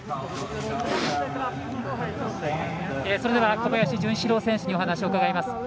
それでは、小林潤志郎選手にお話を伺います。